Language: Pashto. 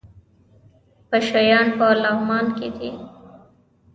پشه یان په لغمان کې دي؟